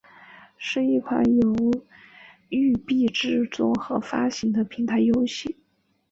是一款由育碧制作和发行的平台游戏。